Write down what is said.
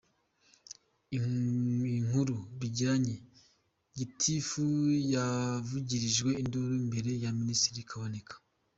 Inkuru bijyanye:Gitifu yavugirijwe induru imbere ya Minisitiri Kaboneka.